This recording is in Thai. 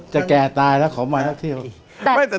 จะแก่ตายแล้วขอมาทักที่